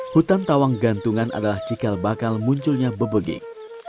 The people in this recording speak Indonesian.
hutan tawang gantungan adalah cikal bakal munculnya bebegik